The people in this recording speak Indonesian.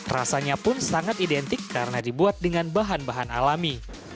rasanya pun sangat identik karena dibuat dengan bahan bahan alami